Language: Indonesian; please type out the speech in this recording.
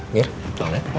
mir tolong ya